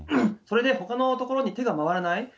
それで、ほかのところに手が回らない。